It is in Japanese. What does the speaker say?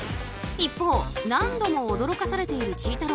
一方、何度も驚かされているちぃ